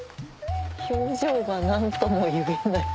表情が何とも言えない。